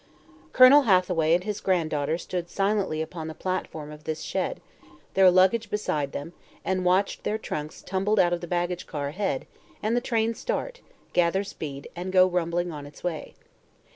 Colonel Hathaway and his granddaughter stood silently upon the platform of this shed, their luggage beside them, and watched their trunks tumbled out of the baggage car ahead and the train start, gather speed, and go rumbling on its way.